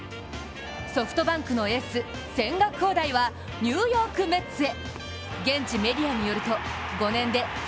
ソフトバンクのエース・千賀滉大はニューヨーク・メッツへ。